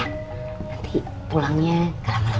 nanti pulangnya gak lama lama aku